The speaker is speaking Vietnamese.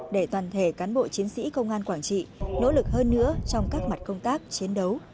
để toàn thể cán bộ chiến sĩ công an quảng trị nỗ lực hơn nữa trong các mặt công tác chiến đấu